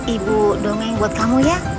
ibu dongeng buat kamu ya